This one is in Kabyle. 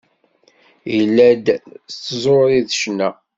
Yella-d s tẓuri d ccna.